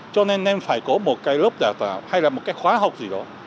cho nên nên phải có một cái lớp đào tạo hay là một cái khóa học gì đó